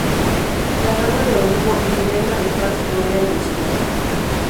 Las ramas de olivo, emblema de paz, rodean al escudo.